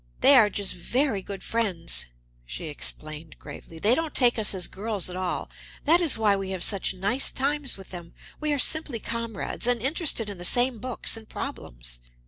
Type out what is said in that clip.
"They are just very good friends," she explained gravely; "they don't take us as girls at all that is why we have such nice times with them. We are simply comrades, and interested in the same books and problems."